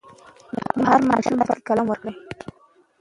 د هر ماشوم په لاس کې قلم ورکړئ.